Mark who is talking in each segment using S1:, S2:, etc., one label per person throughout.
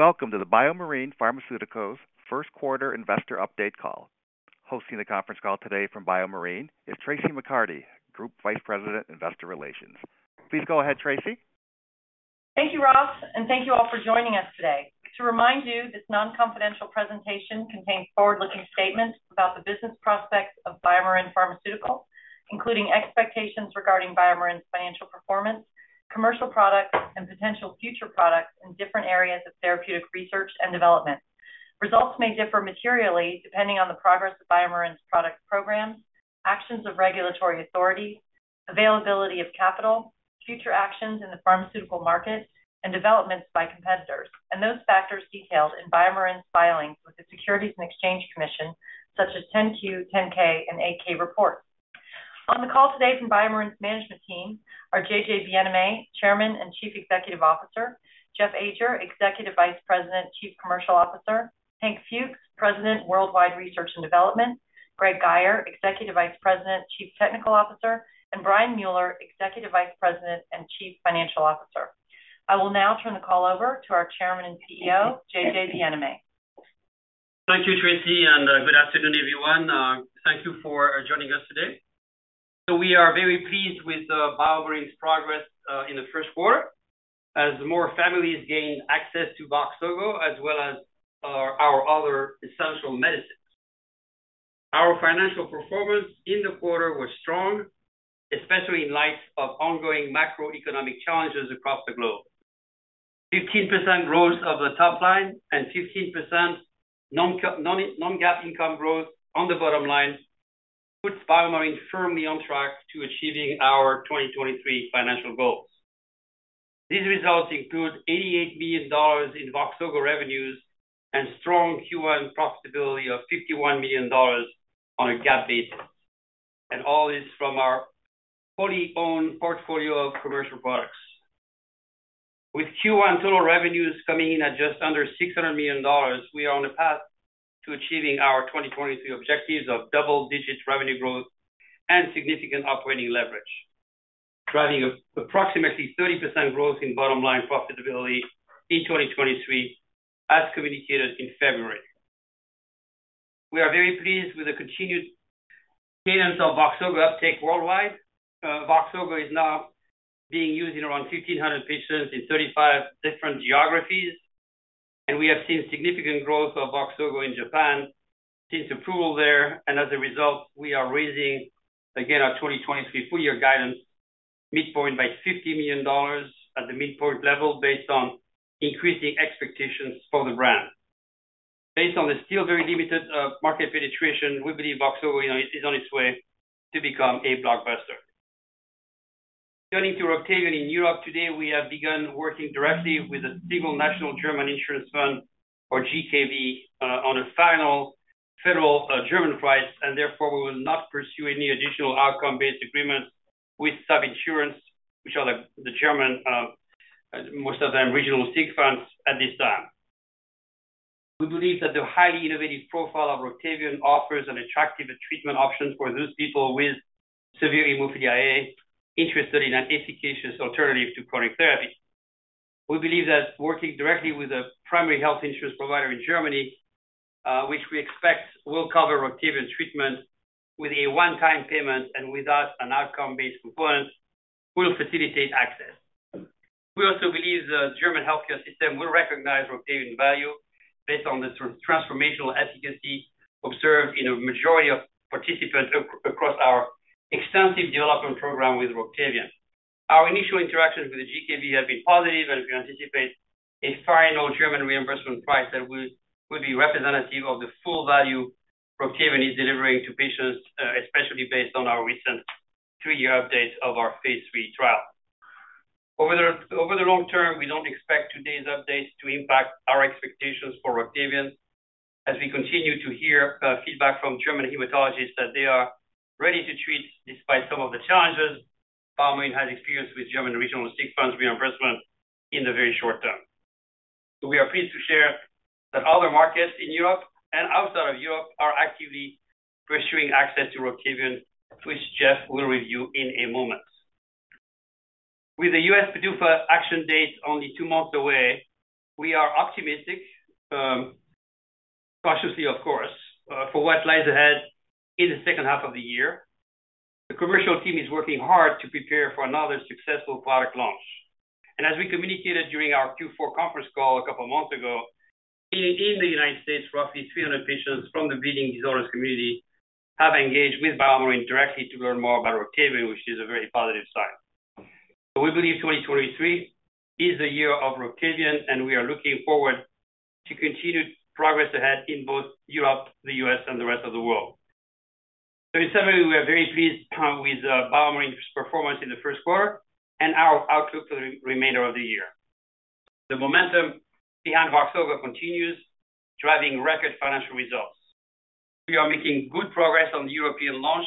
S1: Welcome to the BioMarin Pharmaceutical's first quarter investor update call. Hosting the conference call today from BioMarin is Traci McCarty, Group Vice President, Investor Relations. Please go ahead, Traci.
S2: Thank you, Ross, and thank you all for joining us today. To remind you, this non-confidential presentation contains forward-looking statements about the business prospects of BioMarin Pharmaceutical, including expectations regarding BioMarin's financial performance, commercial products, and potential future products in different areas of therapeutic research and development. Results may differ materially depending on the progress of BioMarin's product programs, actions of regulatory authority, availability of capital, future actions in the pharmaceutical market, and developments by competitors, and those factors detailed in BioMarin's filings with the Securities and Exchange Commission, such as 10-Q, 10-K, and 8-K reports. On the call today from BioMarin's management team are J.J. Bienaimé, Chairman and Chief Executive Officer, Jeff Ajer, Executive Vice President, Chief Commercial Officer, Hank Fuchs, President, Worldwide Research and Development, Greg Guyer, Executive Vice President, Chief Technical Officer, and Brian Mueller, Executive Vice President and Chief Financial Officer. I will now turn the call over to our chairman and CEO, JJ Bienaimé.
S3: Thank you, Traci, good afternoon, everyone. Thank you for joining us today. We are very pleased with BioMarin's progress in the first quarter as more families gain access to VOXZOGO as well as our other essential medicines. Our financial performance in the quarter was strong, especially in light of ongoing macroeconomic challenges across the globe. 15% growth of the top line and 15% non-GAAP income growth on the bottom line puts BioMarin firmly on track to achieving our 2023 financial goals. These results include $88 million in VOXZOGO revenues and strong Q1 profitability of $51 million on a GAAP basis, all this from our fully owned portfolio of commercial products. With Q1 total revenues coming in at just under $600 million, we are on a path to achieving our 2023 objectives of double-digit revenue growth and significant operating leverage, driving approximately 30% growth in bottom line profitability in 2023 as communicated in February. We are very pleased with the continued cadence of VOXZOGO uptake worldwide. VOXZOGO is now being used in around 1,500 patients in 35 different geographies, and we have seen significant growth of VOXZOGO in Japan since approval there. As a result, we are raising again our 2023 full year guidance midpoint by $50 million at the midpoint level based on increasing expectations for the brand. Based on the still very limited market penetration, we believe VOXZOGO is on its way to become a blockbuster. Turning to ROCTAVIAN in Europe today, we have begun working directly with a single national German insurance fund or GKV on a final federal German price. We will not pursue any additional Outcomes-Based Agreements with sub-insurance, which are the German most of them regional sick funds at this time. We believe that the highly innovative profile of ROCTAVIAN offers an attractive treatment option for those people with severe immunodeficiency interested in an efficacious alternative to chronic therapy. We believe that working directly with a primary health insurance provider in Germany, which we expect will cover ROCTAVIAN treatment with a one-time payment and without an Outcomes-Based component, will facilitate access. We also believe the German healthcare system will recognize ROCTAVIAN value based on the sort of transformational efficacy observed in a majority of participants across our extensive development program with ROCTAVIAN. Our initial interactions with the GKV have been positive, and we anticipate a final German reimbursement price that would be representative of the full value ROCTAVIAN is delivering to patients, especially based on our recent two-year update of our phase three trial. Over the long term, we don't expect today's updates to impact our expectations for ROCTAVIAN as we continue to hear feedback from German hematologists that they are ready to treat despite some of the challenges BioMarin has experienced with German regional sick funds reimbursement in the very short term. We are pleased to share that other markets in Europe and outside of Europe are actively pursuing access to ROCTAVIAN, which Jeff will review in a moment. With the U.S. PDUFA action date only 2 months away, we are optimistic, cautiously of course, for what lies ahead in the second half of the year. The commercial team is working hard to prepare for another successful product launch. As we communicated during our Q4 conference call a couple of months ago, in the United States, roughly 300 patients from the bleeding disorders community have engaged with BioMarin directly to learn more about ROCTAVIAN, which is a very positive sign. We believe 2023 is the year of ROCTAVIAN, and we are looking forward to continued progress ahead in both Europe, the U.S., and the rest of the world. In summary, we are very pleased with BioMarin's performance in the first quarter and our outlook for the remainder of the year. The momentum behind VOXZOGO continues, driving record financial results. We are making good progress on the European launch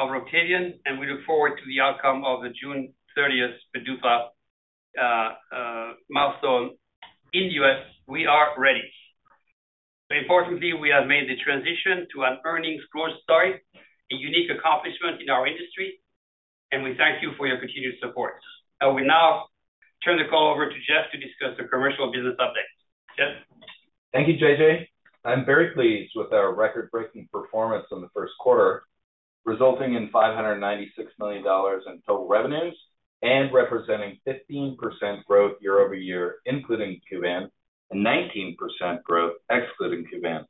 S3: of ROCTAVIAN. We look forward to the outcome of the June 30th PDUFA milestone in the US. We are ready. Importantly, we have made the transition to an earnings growth story, a unique accomplishment in our industry, and we thank you for your continued support. I will now turn the call over to Jeff to discuss the commercial business update. Jeff?
S4: Thank you, J.J. I'm very pleased with our record-breaking performance in the first quarter, resulting in $596 million in total revenues and representing 15% growth year-over-year, including KUVAN, and 19% growth excluding KUVAN.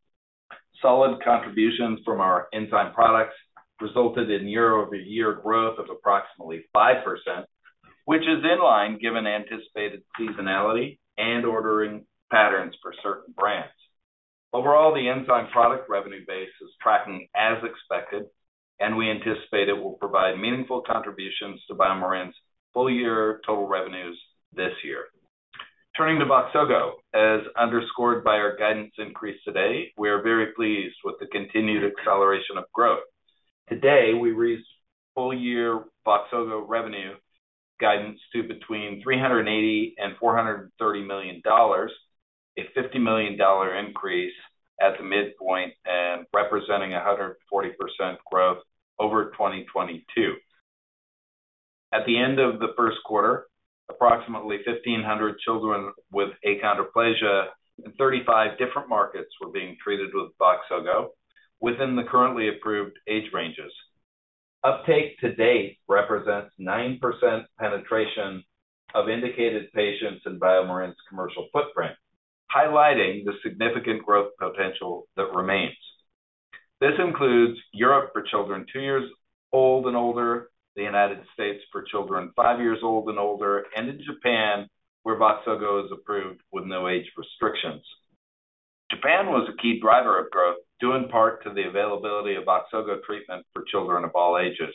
S4: Solid contributions from our enzyme products resulted in year-over-year growth of approximately 5%, which is in line given anticipated seasonality and ordering patterns for certain brands. Overall, the enzyme product revenue base is tracking as expected, and we anticipate it will provide meaningful contributions to BioMarin's full year total revenues this year. Turning to VOXZOGO, as underscored by our guidance increase today, we are very pleased with the continued acceleration of growth. Today, we raised full year VOXZOGO revenue guidance to between $380 million and $430 million, a $50 million increase at the midpoint and representing 140% growth over 2022. At the end of the first quarter, approximately 1,500 children with achondroplasia in 35 different markets were being treated with VOXZOGO within the currently approved age ranges. Uptake to date represents 9% penetration of indicated patients in BioMarin's commercial footprint, highlighting the significant growth potential that remains. This includes Europe for children 2 years old and older, the United States for children 5 years old and older, and in Japan, where VOXZOGO is approved with no age restrictions. Japan was a key driver of growth, due in part to the availability of VOXZOGO treatment for children of all ages.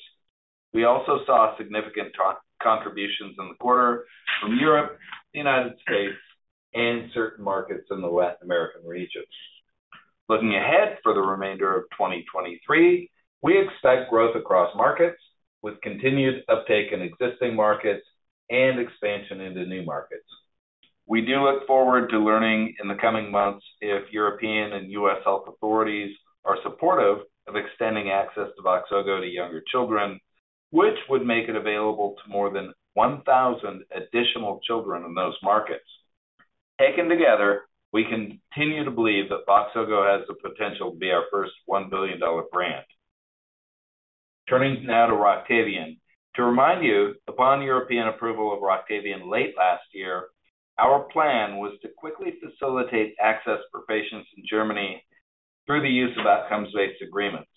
S4: We also saw significant contributions in the quarter from Europe, the United States, and certain markets in the Latin American region. Looking ahead for the remainder of 2023, we expect growth across markets with continued uptake in existing markets and expansion into new markets. We do look forward to learning in the coming months if European and US health authorities are supportive of extending access to VOXZOGO to younger children, which would make it available to more than 1,000 additional children in those markets. Taken together, we continue to believe that VOXZOGO has the potential to be our first $1 billion brand. Turning now to ROCTAVIAN. To remind you, upon European approval of ROCTAVIAN late last year, our plan was to quickly facilitate access for patients in Germany through the use of outcomes-based agreements.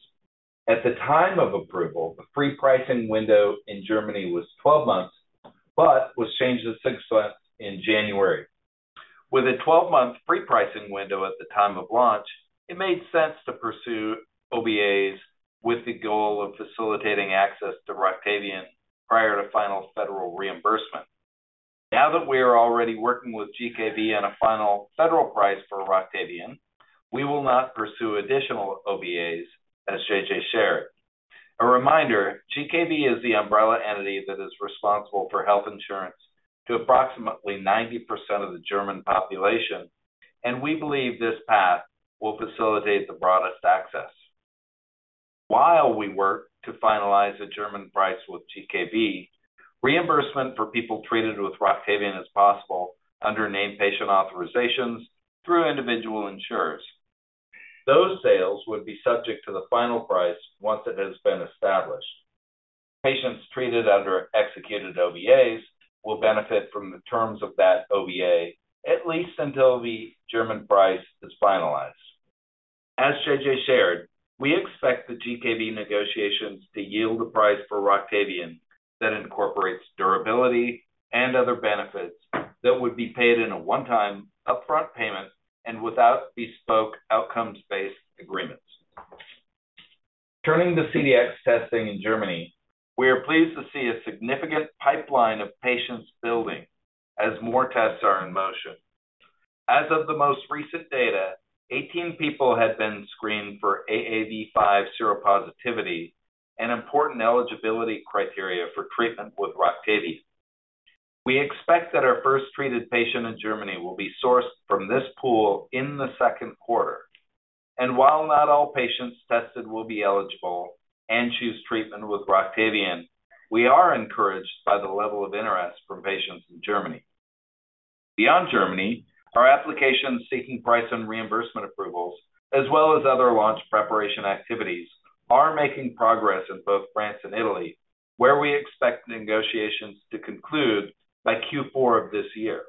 S4: At the time of approval, the free pricing window in Germany was 12 months but was changed to 6 months in January. With a 12-month free pricing window at the time of launch, it made sense to pursue OBAs with the goal of facilitating access to ROCTAVIAN prior to final federal reimbursement. Now that we are already working with GKV on a final federal price for ROCTAVIAN, we will not pursue additional OBAs, as JJ shared. A reminder, GKV is the umbrella entity that is responsible for health insurance to approximately 90% of the German population, and we believe this path will facilitate the broadest access. While we work to finalize the German price with GKV, reimbursement for people treated with ROCTAVIAN is possible under named patient authorizations through individual insurers. Those sales would be subject to the final price once it has been established. Patients treated under executed OBAs will benefit from the terms of that OBA, at least until the German price is finalized. As J.J. shared, we expect the GKV negotiations to yield a price for ROCTAVIAN that incorporates durability and other benefits that would be paid in a one-time upfront payment and without bespoke outcomes-based agreements. Turning to CDx testing in Germany, we are pleased to see a significant pipeline of patients building as more tests are in motion. As of the most recent data, 18 people had been screened for AAV5 seropositivity, an important eligibility criteria for treatment with ROCTAVIAN. We expect that our first treated patient in Germany will be sourced from this pool in the second quarter. While not all patients tested will be eligible and choose treatment with ROCTAVIAN, we are encouraged by the level of interest from patients in Germany. Beyond Germany, our applications seeking price and reimbursement approvals, as well as other launch preparation activities, are making progress in both France and Italy, where we expect negotiations to conclude by Q4 of this year.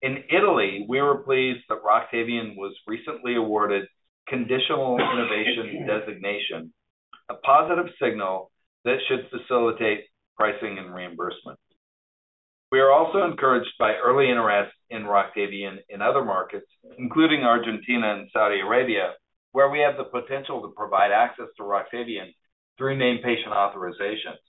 S4: In Italy, we were pleased that ROCTAVIAN was recently awarded Conditional Innovation Designation, a positive signal that should facilitate pricing and reimbursement. We are also encouraged by early interest in ROCTAVIAN in other markets, including Argentina and Saudi Arabia, where we have the potential to provide access to ROCTAVIAN through named patient authorizations.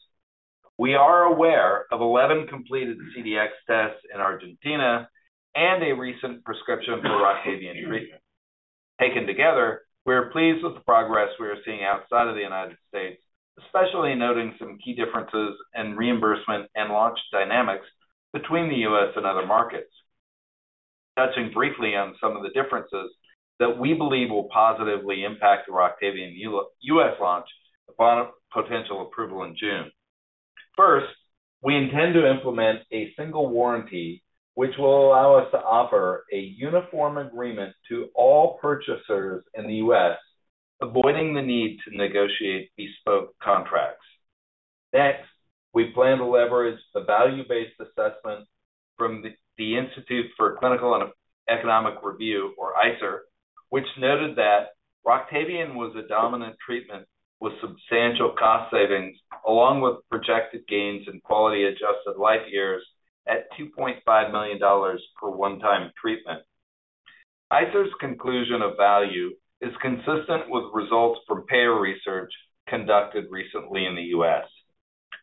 S4: We are aware of 11 completed CDx tests in Argentina and a recent prescription for ROCTAVIAN treatment. Taken together, we are pleased with the progress we are seeing outside of the United States. Especially noting some key differences in reimbursement and launch dynamics between the U.S. and other markets. Touching briefly on some of the differences that we believe will positively impact the ROCTAVIAN U.S. launch upon potential approval in June. First, we intend to implement a single warranty, which will allow us to offer a uniform agreement to all purchasers in the U.S., avoiding the need to negotiate bespoke contracts. Next, we plan to leverage the value-based assessment from the Institute for Clinical and Economic Review, or ICER, which noted that ROCTAVIAN was a dominant treatment with substantial cost savings, along with projected gains in quality-adjusted life years at $2.5 million per one-time treatment. ICER's conclusion of value is consistent with results from payer research conducted recently in the U.S.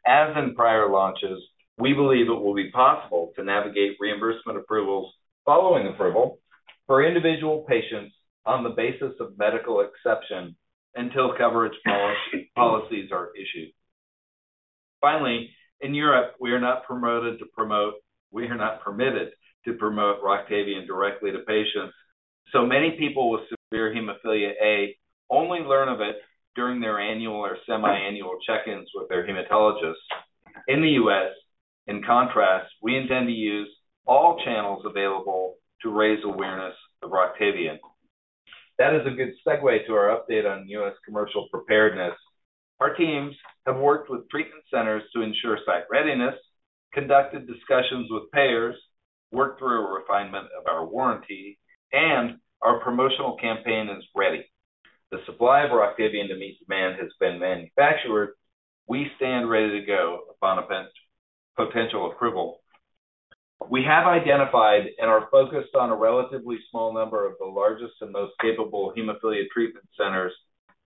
S4: As in prior launches, we believe it will be possible to navigate reimbursement approvals following approval for individual patients on the basis of medical exception until coverage policies are issued. Finally, in Europe, we are not permitted to promote ROCTAVIAN directly to patients, many people with severe hemophilia A only learn of it during their annual or semiannual check-ins with their hematologist. In the U.S., in contrast, we intend to use all channels available to raise awareness of ROCTAVIAN. That is a good segue to our update on U.S. commercial preparedness. Our teams have worked with treatment centers to ensure site readiness, conducted discussions with payers, worked through a refinement of our warranty, our promotional campaign is ready. The supply of ROCTAVIAN to meet demand has been manufactured. We stand ready to go upon potential approval. We have identified and are focused on a relatively small number of the largest and most capable Hemophilia Treatment Centers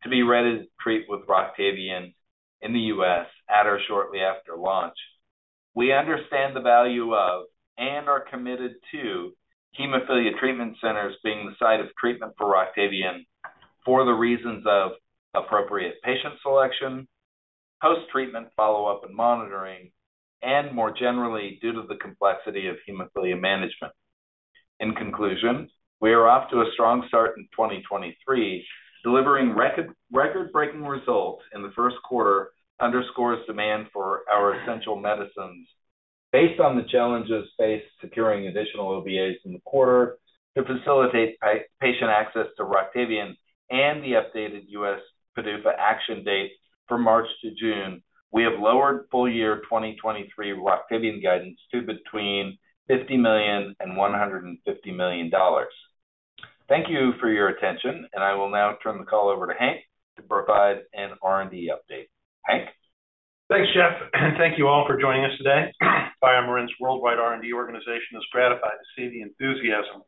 S4: to be ready to treat with ROCTAVIAN in the U.S. at or shortly after launch. We understand the value of and are committed to Hemophilia Treatment Centers being the site of treatment for ROCTAVIAN for the reasons of appropriate patient selection, post-treatment follow-up and monitoring, and more generally due to the complexity of hemophilia management. In conclusion, we are off to a strong start in 2023. Delivering record-breaking results in the first quarter underscores demand for our essential medicines. Based on the challenges faced securing additional OBAs in the quarter to facilitate patient access to ROCTAVIAN and the updated U.S. PDUFA action date from March to June, we have lowered full year 2023 ROCTAVIAN guidance to between $50 million and $150 million. Thank you for your attention, and I will now turn the call over to Hank to provide an R&D update. Hank?
S5: Thanks, Jeff, and thank you all for joining us today. BioMarin's worldwide R&D organization is gratified to see the enthusiasm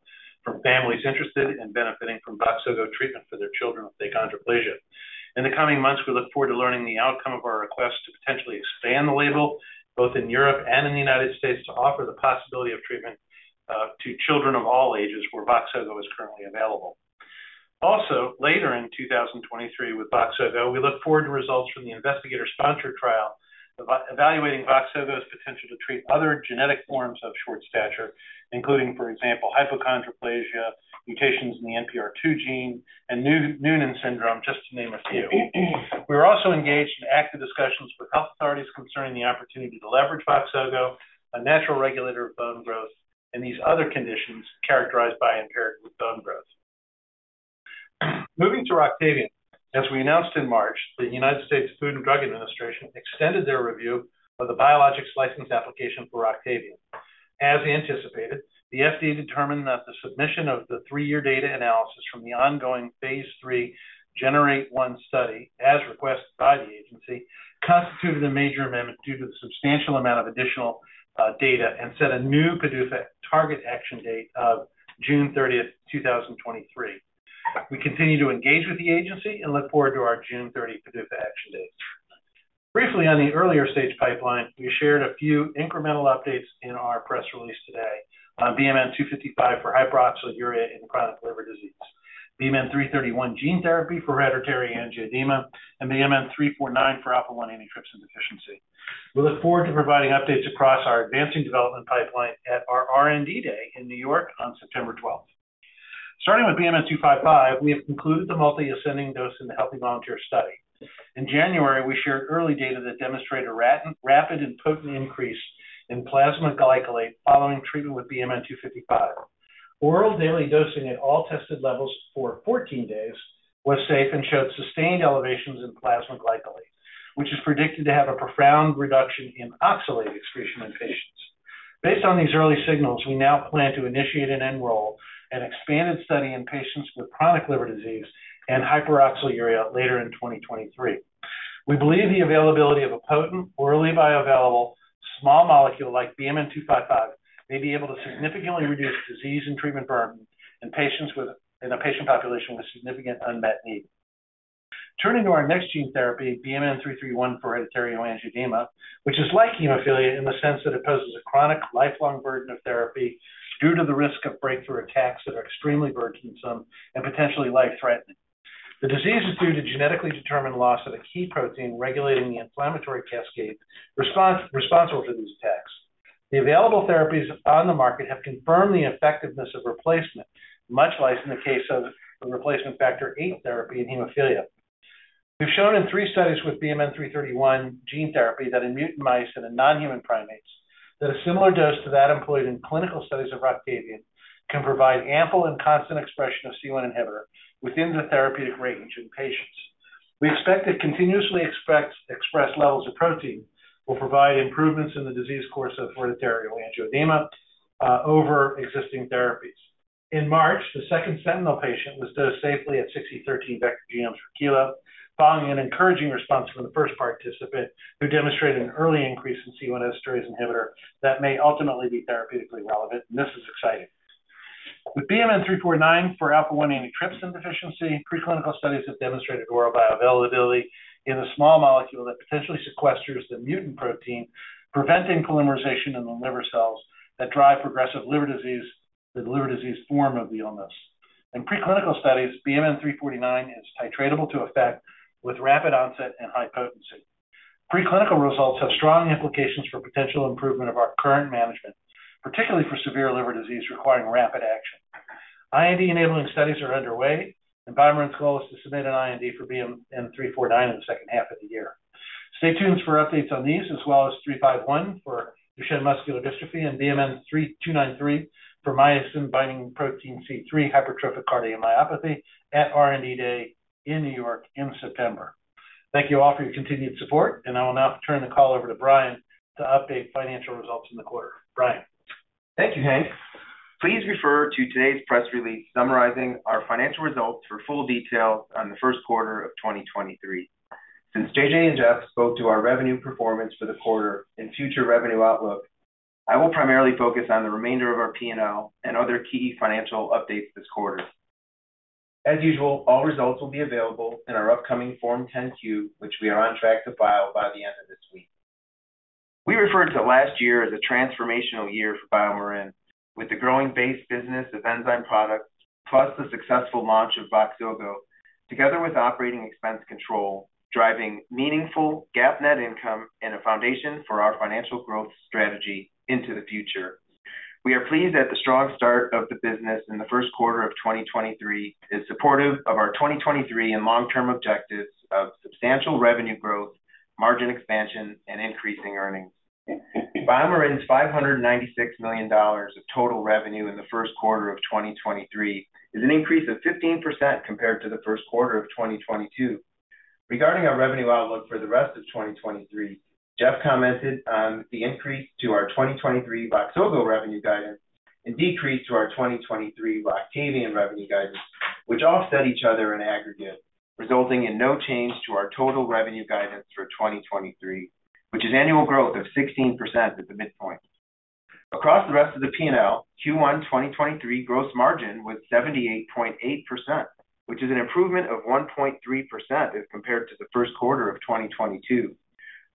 S5: from families interested in benefiting from VOXZOGO treatment for their children with achondroplasia. In the coming months, we look forward to learning the outcome of our request to potentially expand the label, both in Europe and in the United States, to offer the possibility of treatment to children of all ages where VOXZOGO is currently available. Also, later in 2023 with VOXZOGO, we look forward to results from the investigator-sponsored trial evaluating VOXZOGO's potential to treat other genetic forms of short stature, including, for example, hypochondroplasia, mutations in the NPR2 gene, and Noonan syndrome, just to name a few. We are also engaged in active discussions with health authorities concerning the opportunity to leverage VOXZOGO, a natural regulator of bone growth, in these other conditions characterized by impaired bone growth. Moving to ROCTAVIAN. As we announced in March, the United States Food and Drug Administration extended their review of the biologics license application for ROCTAVIAN. As anticipated, the FDA determined that the submission of the three-year data analysis from the ongoing phase 3 GENEr8-1 study, as requested by the agency, constituted a major amendment due to the substantial amount of additional data and set a new PDUFA target action date of June 30, 2023. We continue to engage with the agency and look forward to our June 30 PDUFA action date. Briefly, on the earlier stage pipeline, we shared a few incremental updates in our press release today on BMN 255 for hyperoxaluria in chronic liver disease, BMN 331 gene therapy for hereditary angioedema, and BMN 349 for alpha-1 antitrypsin deficiency. We look forward to providing updates across our advancing development pipeline at our R&D Day in New York on September 12th. Starting with BMN 255, we have concluded the multi-ascending dose in the healthy volunteer study. In January, we shared early data that demonstrated rapid and potent increase in plasma glycolate following treatment with BMN 255. Oral daily dosing at all tested levels for 14 days was safe and showed sustained elevations in plasma glycolate, which is predicted to have a profound reduction in oxalate excretion in patients. Based on these early signals, we now plan to initiate and enroll an expanded study in patients with chronic liver disease and hyperoxaluria later in 2023. We believe the availability of a potent, orally bioavailable small molecule like BMN 255 may be able to significantly reduce disease and treatment burden in a patient population with significant unmet need. Turning to our next gene therapy, BMN 331 for hereditary angioedema, which is like hemophilia in the sense that it poses a chronic lifelong burden of therapy due to the risk of breakthrough attacks that are extremely burdensome and potentially life-threatening. The disease is due to genetically determined loss of a key protein regulating the inflammatory cascade responsible for these attacks. The available therapies on the market have confirmed the effectiveness of replacement, much like in the case of the replacement Factor VIII therapy in hemophilia. We've shown in three studies with BMN 331 gene therapy that in mutant mice and in non-human primates that a similar dose to that employed in clinical studies of ROCTAVIAN can provide ample and constant expression of C1 inhibitor within the therapeutic range in patients. We expect that continuously expressed levels of protein will provide improvements in the disease course of hereditary angioedema over existing therapies. In March, the second sentinel patient was dosed safely at 6e13 vg/kg, following an encouraging response from the first participant who demonstrated an early increase in C1 esterase inhibitor that may ultimately be therapeutically relevant. This is exciting. With BMN 349 for alpha-1 antitrypsin deficiency, preclinical studies have demonstrated oral bioavailability in a small molecule that potentially sequesters the mutant protein, preventing polymerization in the liver cells that drive progressive liver disease, the liver disease form of the illness. In preclinical studies, BMN 349 is titratable to effect with rapid onset and high potency. Preclinical results have strong implications for potential improvement of our current management, particularly for severe liver disease requiring rapid action. IND-enabling studies are underway, and BioMarin's goal is to submit an IND for BMN 349 in the second half of the year. Stay tuned for updates on these as well as 351 for Duchenne muscular dystrophy and BMN 293 for MYBPC3 hypertrophic cardiomyopathy at R&D Day in New York in September. Thank you all for your continued support, and I will now turn the call over to Brian to update financial results in the quarter. Brian?
S6: Thank you, Hank. Please refer to today's press release summarizing our financial results for full detail on the 1st quarter of 2023. Since JJ and Jeff spoke to our revenue performance for the quarter and future revenue outlook, I will primarily focus on the remainder of our P&L and other key financial updates this quarter. As usual, all results will be available in our upcoming Form 10-Q, which we are on track to file by the end of this week. We referred to last year as a transformational year for BioMarin, with the growing base business of enzyme products, plus the successful launch of VOXZOGO, together with operating expense control, driving meaningful GAAP net income and a foundation for our financial growth strategy into the future. We are pleased that the strong start of the business in the first quarter of 2023 is supportive of our 2023 and long-term objectives of substantial revenue growth, margin expansion, and increasing earnings. BioMarin's $596 million of total revenue in the first quarter of 2023 is an increase of 15% compared to the first quarter of 2022. Regarding our revenue outlook for the rest of 2023, Jeff commented on the increase to our 2023 VOXZOGO revenue guidance and decrease to our 2023 ROCTAVIAN revenue guidance, which offset each other in aggregate, resulting in no change to our total revenue guidance for 2023, which is annual growth of 16% at the midpoint. Across the rest of the P&L, Q1 2023 gross margin was 78.8%, which is an improvement of 1.3% if compared to the first quarter of 2022.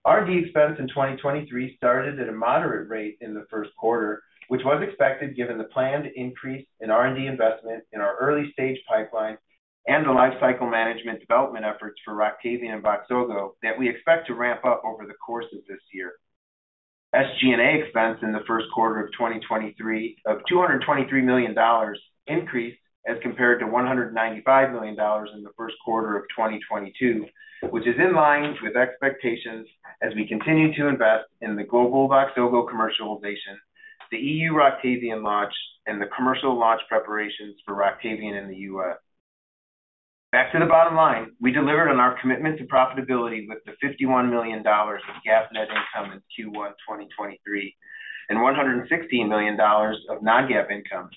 S6: R&D expense in 2023 started at a moderate rate in the first quarter, which was expected given the planned increase in R&D investment in our early-stage pipeline and the lifecycle management development efforts for ROCTAVIAN and VOXZOGO that we expect to ramp up over the course of this year. SG&A expense in the first quarter of 2023 of $223 million increased as compared to $195 million in the first quarter of 2022, which is in line with expectations as we continue to invest in the global VOXZOGO commercialization, the EU ROCTAVIAN launch, and the commercial launch preparations for ROCTAVIAN in the U.S. Back to the bottom line, we delivered on our commitment to profitability with the $51 million of GAAP net income in Q1 2023 and $160 million of non-GAAP income,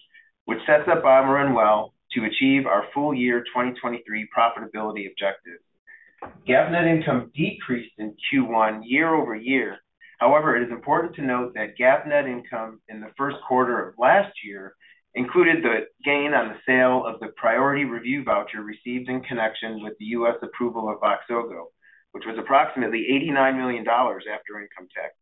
S6: which sets up BioMarin well to achieve our full year 2023 profitability objective. GAAP net income decreased in Q1 year-over-year. However, it is important to note that GAAP net income in the first quarter of last year included the gain on the sale of the priority review voucher received in connection with the U.S. approval of VOXZOGO, which was approximately $89 million after income tax.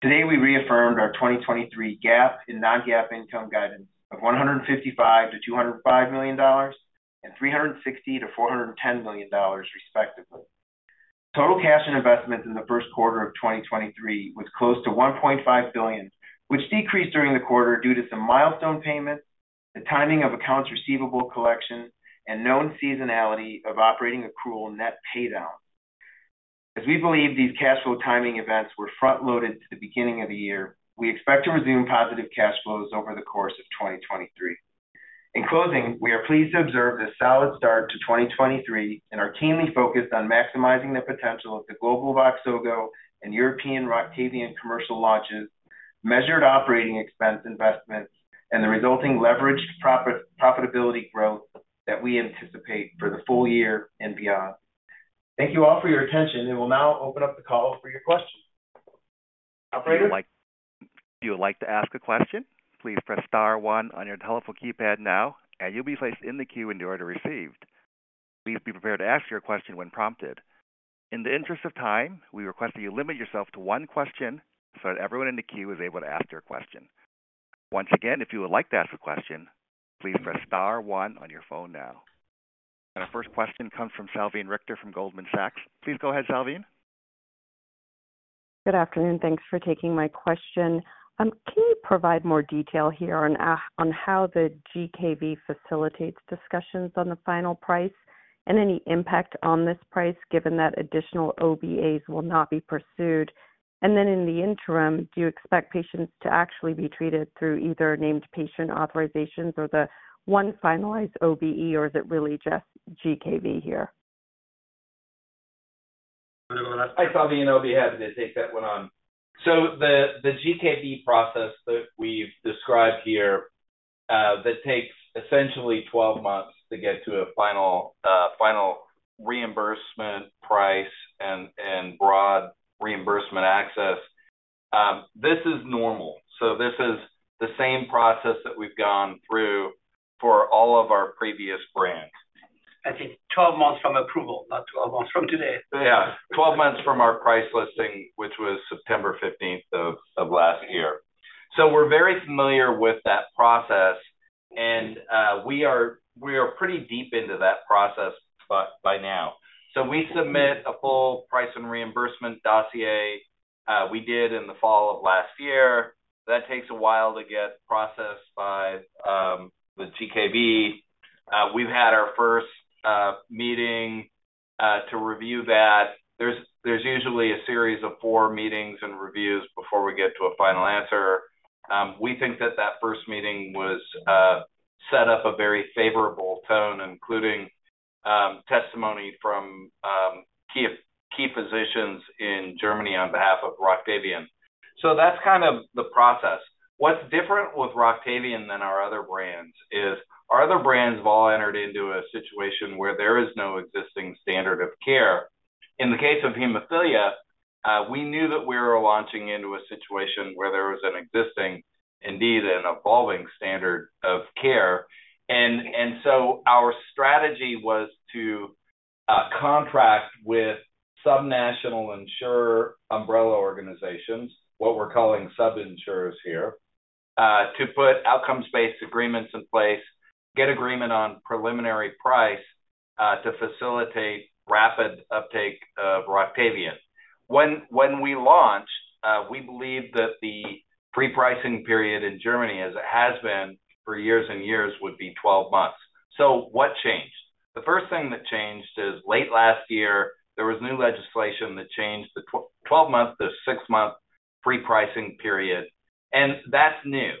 S6: Today, we reaffirmed our 2023 GAAP and non-GAAP income guidance of $155 million-$205 million and $360 million-$410 million, respectively. Total cash and investments in the first quarter of 2023 was close to $1.5 billion, which decreased during the quarter due to some milestone payments, the timing of accounts receivable collection, and known seasonality of operating accrual net pay down. We believe these cash flow timing events were front-loaded to the beginning of the year, we expect to resume positive cash flows over the course of 2023. In closing, we are pleased to observe this solid start to 2023 and are keenly focused on maximizing the potential of the global VOXZOGO and European ROCTAVIAN commercial launches, measured operating expense investments, and the resulting leveraged profitability growth that we anticipate for the full year and beyond. Thank you all for your attention, and we'll now open up the call for your questions. Operator?
S1: If you would like to ask a question, please press star one on your telephone keypad now, and you'll be placed in the queue in the order received. Please be prepared to ask your question when prompted. In the interest of time, we request that you limit yourself to one question so that everyone in the queue is able to ask their question. Once again, if you would like to ask a question, please press star one on your phone now. Our first question comes from Salveen Richter from Goldman Sachs. Please go ahead, Salvie.
S7: Good afternoon. Thanks for taking my question. Can you provide more detail here on on how the GKV facilitates discussions on the final price and any impact on this price given that additional OBAs will not be pursued? In the interim, do you expect patients to actually be treated through either named patient authorizations or the one finalized OBE, or is it really just GKV here?
S4: Hi, Salveen, and I'll be happy to take that one on. The GKV process that we've described here, that takes essentially 12 months to get to a final reimbursement price and broad reimbursement access, this is normal. This is the same process that we've gone through for all of our previous brands.
S3: I think 12 months from approval, not 12 months from today.
S4: 12 months from our price listing, which was September 15th of last year. We're very familiar with that process and we are pretty deep into that process by now. We submit a full price and reimbursement dossier, we did in the fall of last year. That takes a while to get processed by the GKV. We've had our first meeting to review that. There's usually a series of 4 meetings and reviews before we get to a final answer. We think that that first meeting was set up a very favorable tone, including testimony from key physicians in Germany on behalf of ROCTAVIAN. That's kind of the process. What's different with ROCTAVIAN than our other brands is our other brands have all entered into a situation where there is no existing standard of care. In the case of hemophilia, we knew that we were launching into a situation where there was an existing, indeed an evolving standard of care. Our strategy was to contract with some national insurer umbrella organizations, what we're calling sub-insurers here, to put Outcomes-Based Agreements in place, get agreement on preliminary price, to facilitate rapid uptake of ROCTAVIAN. When we launched, we believed that the pre-pricing period in Germany, as it has been for years and years, would be 12 months. What changed? The first thing that changed is late last year, there was new legislation that changed the 12-month to 6-month pre-pricing period, and that's new.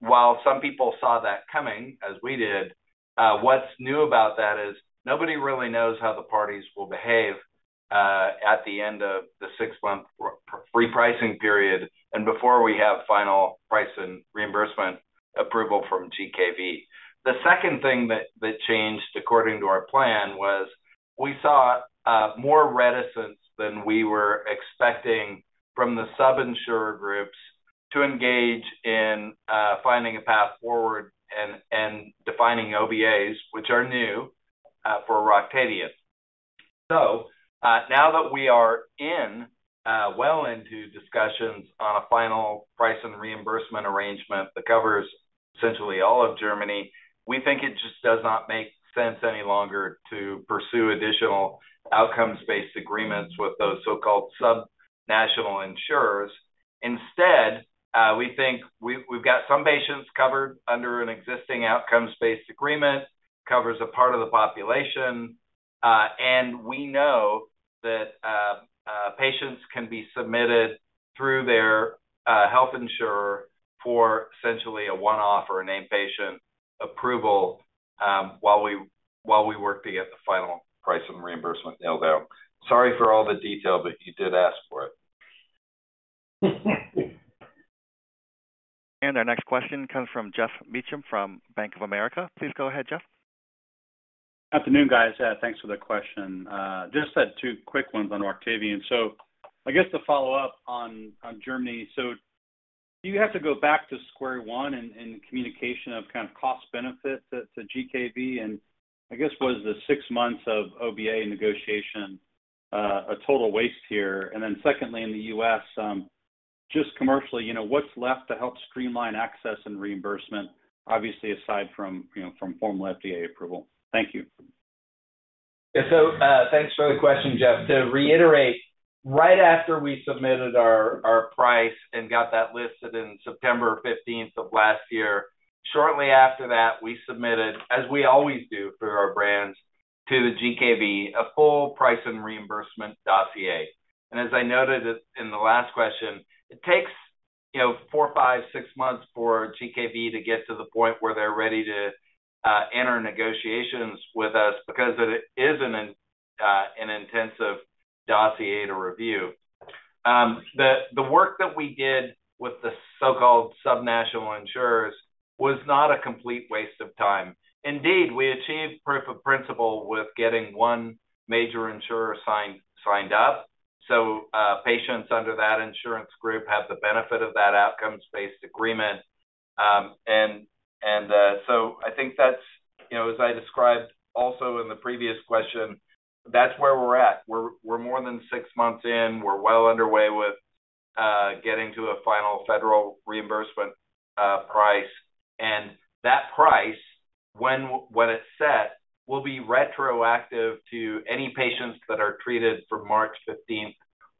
S4: While some people saw that coming, as we did, what's new about that is nobody really knows how the parties will behave at the end of the 6-month pre-pricing period and before we have final price and reimbursement approval from GKV. The second thing that changed according to our plan was we saw more reticence than we were expecting from the sub-insurer groups to engage in finding a path forward and defining OBAs, which are new for ROCTAVIAN. Now that we are in well into discussions on a final price and reimbursement arrangement that covers essentially all of Germany, we think it just does not make sense any longer to pursue additional Outcomes-Based Agreements with those so-called sub-national insurers. We think we've got some patients covered under an existing Outcomes-Based Agreement, covers a part of the population, and we know that, patients can be submitted through their, health insurer for essentially a one-off or a named patient approval, while we work to get the final price and reimbursement nailed down. Sorry for all the detail, but you did ask for it.
S1: Our next question comes from Geoff Meacham from Bank of America. Please go ahead, Jeff.
S8: Afternoon, guys. Thanks for the question. Just had two quick ones on ROCTAVIAN. I guess to follow up on Germany, do you have to go back to square one in communication of kind of cost benefit to GKV? I guess was the six months of OBA negotiation a total waste here? Secondly, in the U.S., just commercially, you know, what's left to help streamline access and reimbursement, obviously, aside from, you know, from formal FDA approval? Thank you.
S4: Thanks for the question, Jeff. To reiterate, right after we submitted our price and got that listed in September 15th of last year, shortly after that, we submitted, as we always do for our brands, to the GKV, a full price and reimbursement dossier. As I noted it in the last question, it takes, you know, four, five, six months for GKV to get to the point where they're ready to enter negotiations with us because it is an intensive dossier to review. The work that we did with the so-called sub-national insurers was not a complete waste of time. Indeed, we achieved proof of principle with getting one major insurer signed up. Patients under that insurance group have the benefit of that Outcomes-Based Agreement. I think that's, you know, as I described also in the previous question, that's where we're at. We're more than 6 months in. We're well underway with getting to a final federal reimbursement price. That price, when it's set, will be retroactive to any patients that are treated from March 15th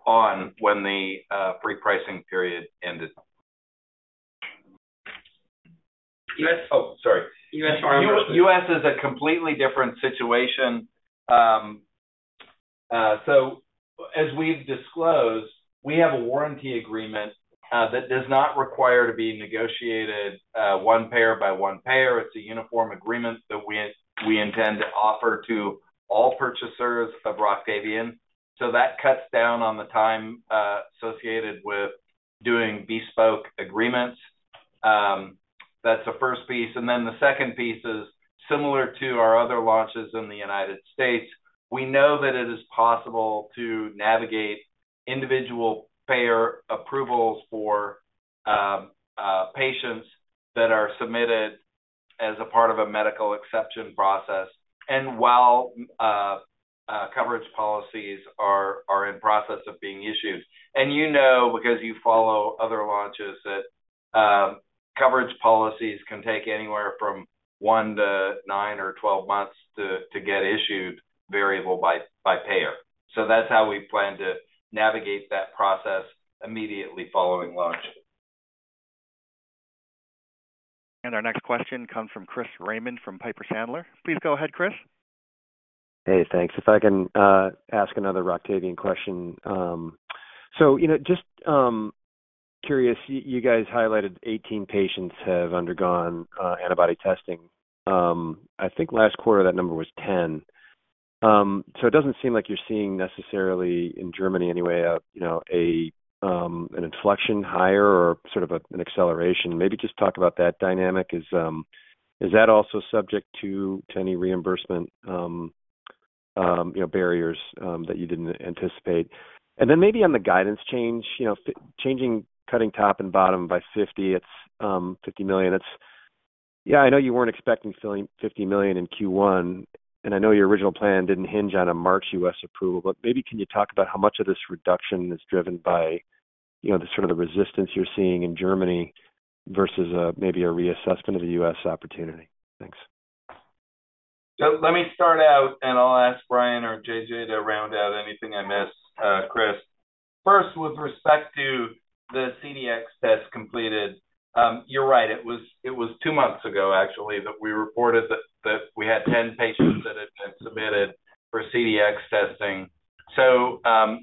S4: on when the free pricing period ended.
S6: U.S.-
S4: Oh, sorry.
S6: U.S. reimbursement.
S4: U.S. is a completely different situation. As we've disclosed, we have a warranty agreement that does not require to be negotiated one payer by one payer. It's a uniform agreement that we intend to offer to all purchasers of ROCTAVIAN. That cuts down on the time associated with doing bespoke agreements. That's the first piece. Then the second piece is similar to our other launches in the U.S. We know that it is possible to navigate individual payer approvals for patients that are submitted as a part of a medical exception process and while coverage policies are in process of being issued. You know, because you follow other launches, that coverage policies can take anywhere from one to nine or 12 months to get issued variable by payer. That's how we plan to navigate that process immediately following launch.
S1: Our next question comes from Chris Raymond from Piper Sandler. Please go ahead, Chris.
S9: Hey, thanks. If I can ask another ROCTAVIAN question. Just curious, you guys highlighted 18 patients have undergone antibody testing. I think last quarter that number was 10. It doesn't seem like you're seeing necessarily, in Germany anyway, an inflection higher or sort of an acceleration. Maybe just talk about that dynamic. Is that also subject to any reimbursement barriers that you didn't anticipate? Maybe on the guidance change, changing cutting top and bottom by 50, it's $50 million. Yeah, I know you weren't expecting filling $50 million in Q1, and I know your original plan didn't hinge on a March U.S. approval, but maybe can you talk about how much of this reduction is driven by, you know, the sort of the resistance you're seeing in Germany versus, maybe a reassessment of the U.S. opportunity? Thanks.
S4: Let me start out, and I'll ask Brian or J.J. to round out anything I miss, Chris. First, with respect to the CDx test completed, you're right. It was 2 months ago actually that we reported that we had 10 patients that had been submitted for CDx testing.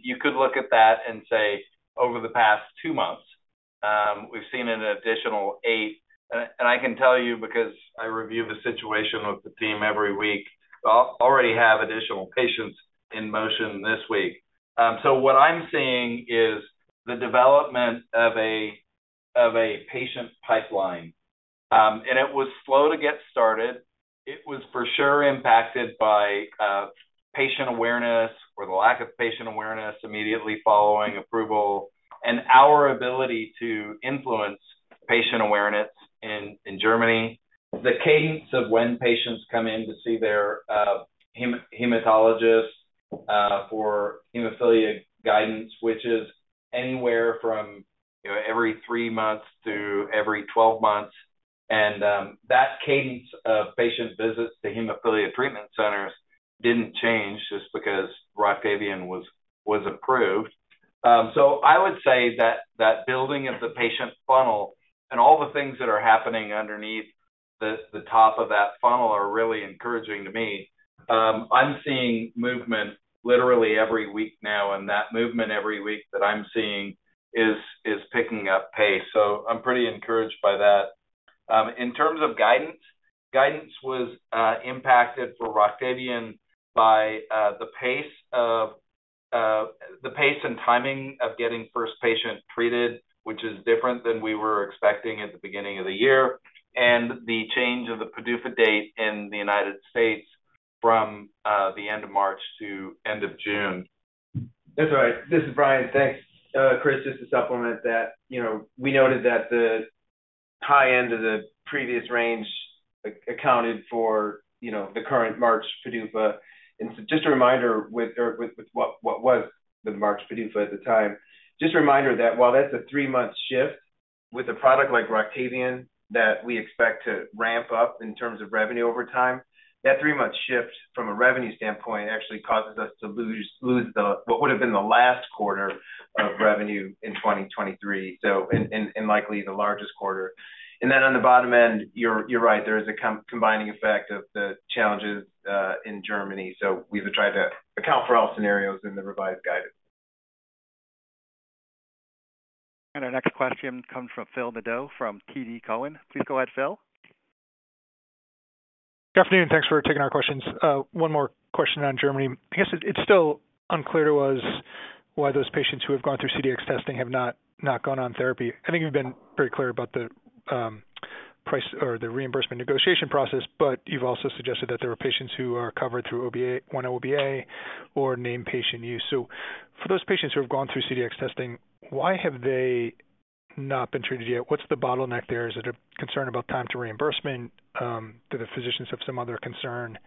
S4: You could look at that and say over the past 2 months, we've seen an additional 8. And I can tell you because I review the situation with the team every week, already have additional patients in motion this week. What I'm seeing is the development of a patient pipeline. And it was slow to get started. It was for sure impacted by patient awareness or the lack of patient awareness immediately following approval, and our ability to influence patient awareness in Germany. The cadence of when patients come in to see their hematologist for hemophilia guidance, which is anywhere from, you know, every three months to every 12 months. That cadence of patient visits to Hemophilia Treatment Centers didn't change just because ROCTAVIAN was approved. I would say that building of the patient funnel and all the things that are happening underneath the top of that funnel are really encouraging to me. I'm seeing movement literally every week now, that movement every week that I'm seeing is picking up pace. I'm pretty encouraged by that. In terms of guidance was impacted for ROCTAVIAN by the pace of the pace and timing of getting first patient treated, which is different than we were expecting at the beginning of the year, and the change of the PDUFA date in the United States from the end of March to end of June.
S6: That's right. This is Brian. Thanks, Chris. Just to supplement that, you know, we noted that the high end of the previous range accounted for, you know, the current March PDUFA. Just a reminder with what was the March PDUFA at the time, just a reminder that while that's a three-month shift, with a product like ROCTAVIAN that we expect to ramp up in terms of revenue over time, that three-month shift from a revenue standpoint actually causes us to lose the what would have been the last quarter of revenue in 2023, so, and likely the largest quarter. Then on the bottom end, you're right. There is a combining effect of the challenges in Germany. We've tried to account for all scenarios in the revised guidance.
S1: Our next question comes from Phil Nadeau from TD Cowen. Please go ahead, Phil.
S10: Good afternoon. Thanks for taking our questions. One more question on Germany. I guess it's still unclear to us why those patients who have gone through CDx testing have not gone on therapy. I think you've been pretty clear about the price or the reimbursement negotiation process, but you've also suggested that there are patients who are covered through OBA, one OBA or name patient use. For those patients who have gone through CDx testing, why have they not been treated yet? What's the bottleneck there? Is it a concern about time to reimbursement? Do the physicians have some other concern?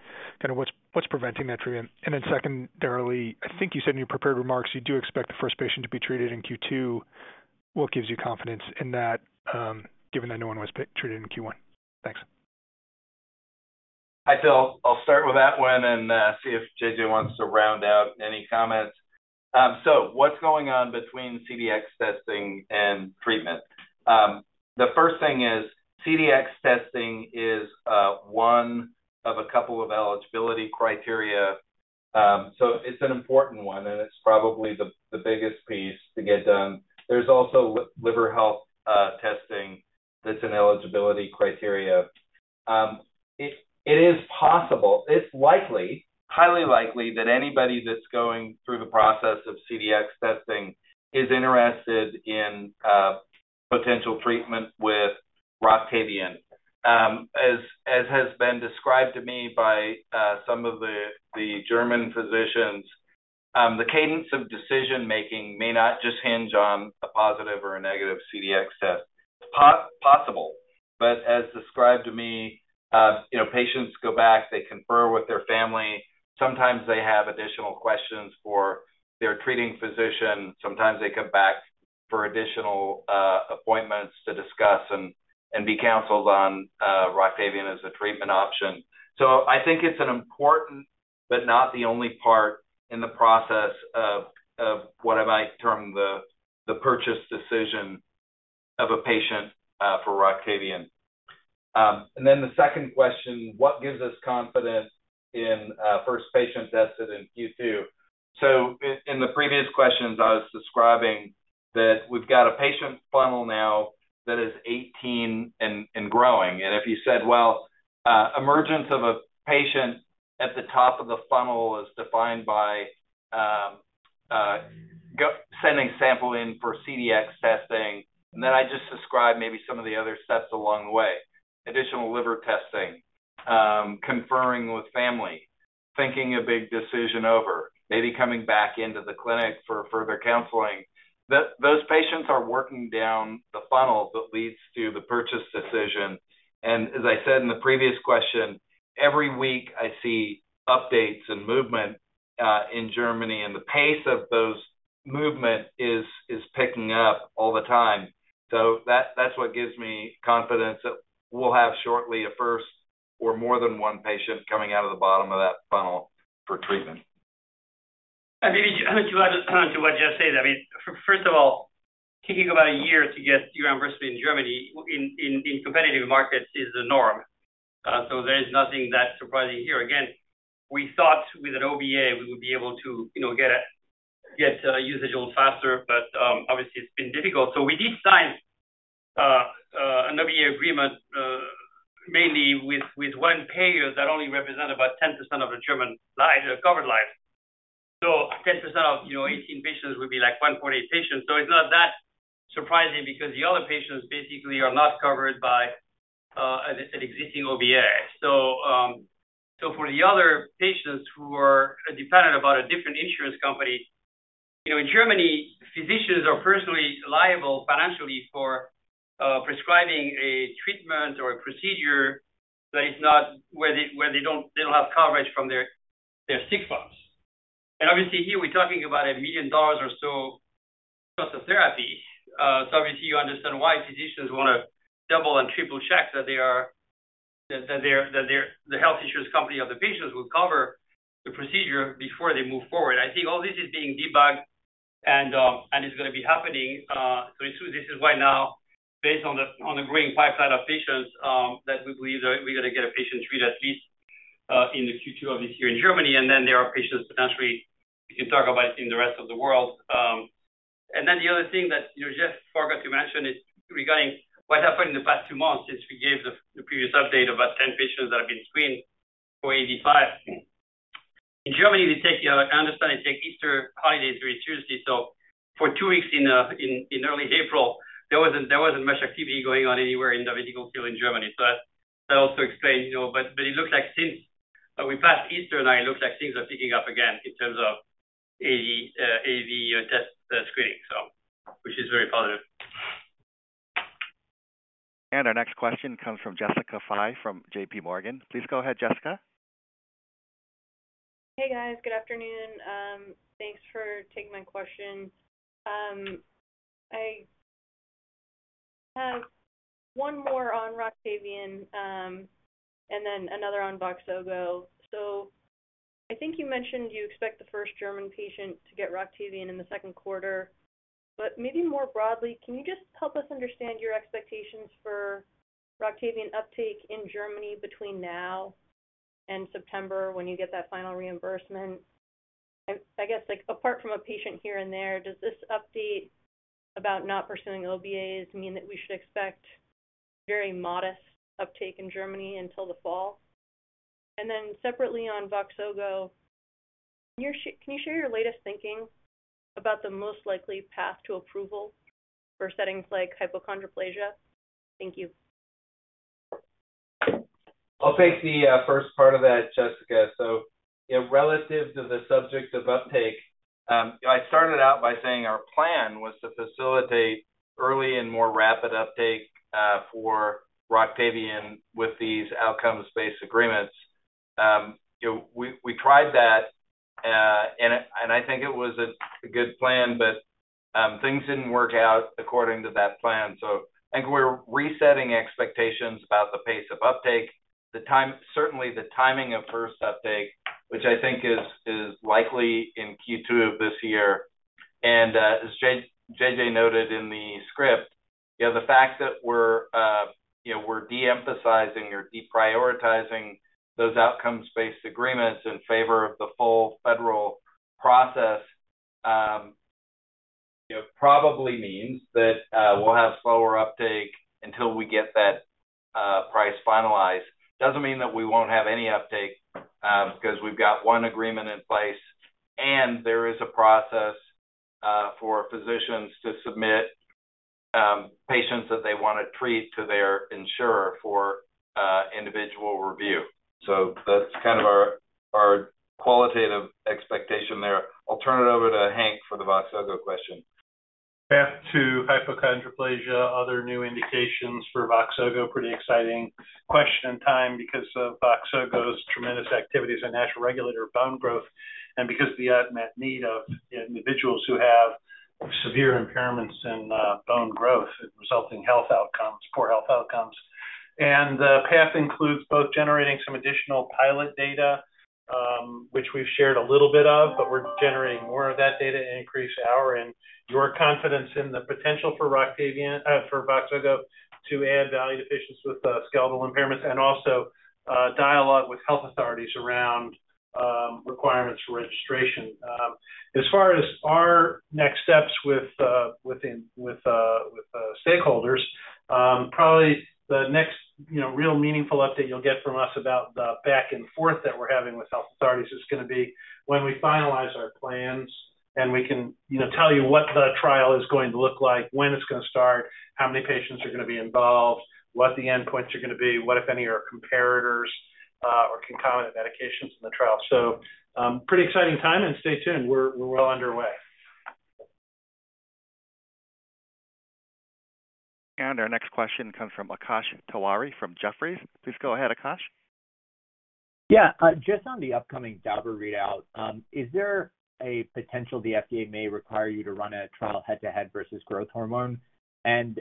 S10: Kinda what's preventing that treatment? Secondarily, I think you said in your prepared remarks you do expect the first patient to be treated in Q2. What gives you confidence in that, given that no one was treated in Q1? Thanks.
S4: Hi, Phil. I'll start with that one and see if JJ wants to round out any comments. What's going on between CDx testing and treatment? The first thing is CDx testing is one of a couple of eligibility criteria. It's an important one, and it's probably the biggest piece to get done. There's also liver health testing that's an eligibility criteria. It is possible, it's likely, highly likely that anybody that's going through the process of CDx testing is interested in potential treatment with ROCTAVIAN. As has been described to me by some of the German physicians, the cadence of decision-making may not just hinge on a positive or a negative CDx test. It's possible, but as described to me, you know, patients go back, they confer with their family. Sometimes they have additional questions for their treating physician. Sometimes they come back for additional appointments to discuss and be counseled on ROCTAVIAN as a treatment option. I think it's an important, but not the only part in the process of what I might term the purchase decision of a patient for ROCTAVIAN. The second question, what gives us confidence in a first patient tested in Q2? In the previous questions, I was describing that we've got a patient funnel now that is 18 and growing. If you said, well, emergence of a patient at the top of the funnel is defined by, sending sample in for CDx testing, and then I just described maybe some of the other steps along the way, additional liver testing, conferring with family, thinking a big decision over, maybe coming back into the clinic for further counseling. Those patients are working down the funnel that leads to the purchase decision. As I said in the previous question, every week I see updates and movement in Germany, and the pace of those movement is picking up all the time. That's what gives me confidence that we'll have shortly a first or more than one patient coming out of the bottom of that funnel for treatment.
S3: Maybe just to add to what Jeff said. I mean, first of all, taking about a year to get reimbursement in Germany in competitive markets is the norm. There is nothing that surprising here. Again, we thought with an OBA we would be able to, you know, get usage a little faster, but obviously it's been difficult. We did sign an OBA agreement mainly with one payer that only represent about 10% of the German lives, covered lives. 10% of, you know, 18 patients would be like 1.8 patients. It's not that surprising because the other patients basically are not covered by an existing OBA. For the other patients who are dependent about a different insurance company... You know, in Germany, physicians are personally liable financially for prescribing a treatment or a procedure that is not where they don't have coverage from their sick funds. Obviously here we're talking about $1 million or so cost of therapy. Obviously you understand why physicians wanna double and triple-check that their health insurance company of the patients will cover the procedure before they move forward. I think all this is being debugged and it's gonna be happening pretty soon. This is why now based on the growing pipeline of patients that we believe that we're gonna get a patient treated at least in the Q2 of this year in Germany. There are patients potentially we can talk about in the rest of the world. The other thing that, you know, Jeff Ajer forgot to mention is regarding what happened in the past 2 months since we gave the previous update about 10 patients that have been screened for AAV5. In Germany, we take, you know, I understand they take Easter holidays very seriously. For 2 weeks in early April, there wasn't much activity going on anywhere in the medical field in Germany. That also explains, you know. It looks like since we passed Easter, now it looks like things are picking up again in terms of AAV test screening, which is very positive.
S1: Our next question comes from Jessica Fye from JPMorgan. Please go ahead, Jessica.
S11: Hey, guys. Good afternoon. Thanks for taking my questions. I have one more on ROCTAVIAN, and then another on VOXZOGO. I think you mentioned you expect the first German patient to get ROCTAVIAN in the second quarter. Maybe more broadly, can you just help us understand your expectations for ROCTAVIAN uptake in Germany between now and September when you get that final reimbursement? I guess, like apart from a patient here and there, does this update about not pursuing OBAs mean that we should expect very modest uptake in Germany until the fall? Separately on VOXZOGO, can you share your latest thinking about the most likely path to approval for settings like hypochondroplasia? Thank you.
S4: I'll take the first part of that, Jessica. You know, relative to the subject of uptake, you know, I started out by saying our plan was to facilitate early and more rapid uptake for ROCTAVIAN with these Outcomes-Based Agreements. You know, we tried that, and I think it was a good plan, but things didn't work out according to that plan. I think we're resetting expectations about the pace of uptake, certainly the timing of first uptake, which I think is likely in Q2 of this year. As J.J. noted in the script, you know, the fact that we're, you know, we're de-emphasizing or deprioritizing those Outcomes-Based Agreements in favor of the full federal process, you know, probably means that we'll have slower uptake until we get that price finalized. Doesn't mean that we won't have any uptake, 'cause we've got one agreement in place, and there is a process for physicians to submit patients that they wanna treat to their insurer for individual review. That's kind of our qualitative expectation there. I'll turn it over to Hank for the VOXZOGO question.
S5: Path to hypochondroplasia, other new indications for VOXZOGO, pretty exciting question time because of VOXZOGO's tremendous activities in natural regulator bone growth and because of the unmet need of individuals who have severe impairments in bone growth and resulting health outcomes, poor health outcomes. The path includes both generating some additional pilot data, which we've shared a little bit of, but we're generating more of that data to increase our and your confidence in the potential for VOXZOGO to add value to patients with skeletal impairments, and also dialogue with health authorities around requirements for registration. As far as our next steps with the stakeholders, probably the next, you know, real meaningful update you'll get from us about the back and forth that we're having with health authorities is gonna be when we finalize our plans, and we can, you know, tell you what the trial is going to look like, when it's gonna start, how many patients are gonna be involved, what the endpoints are gonna be, what, if any, are comparators, or concomitant medications in the trial. Pretty exciting time, and stay tuned. We're well underway.
S1: Our next question comes from Akash Tewari from Jefferies. Please go ahead, Aakash.
S12: Yeah. just on the upcoming readout, is there a potential the FDA may require you to run a trial head-to-head versus growth hormone? kind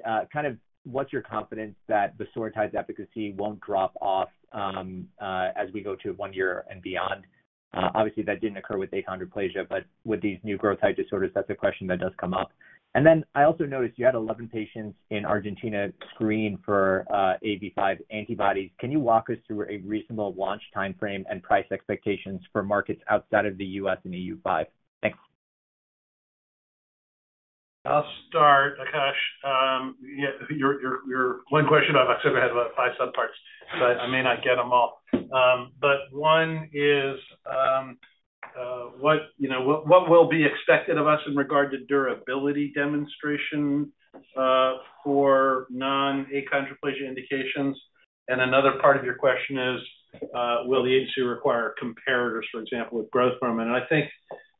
S12: of what's your confidence that vosoritide's efficacy won't drop off, as we go to one year and beyond? obviously, that didn't occur with achondroplasia, but with these new growth height disorders, that's a question that does come up. I also noticed you had 11 patients in Argentina screened for, AAV5 antibodies. Can you walk us through a reasonable launch timeframe and price expectations for markets outside of the U.S. and EU5? Thanks.
S5: I'll start, Akash. Yeah, your 1 question about VOXZOGO has about 5 subparts, so I may not get them all. 1 is, what, you know, what will be expected of us in regard to durability demonstration for non-achondroplasia indications? Another part of your question is, will the agency require comparators, for example, with growth hormone? I think